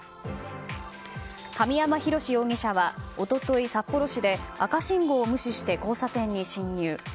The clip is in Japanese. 神山大容疑者は一昨日、札幌市で赤信号を無視して交差点に進入。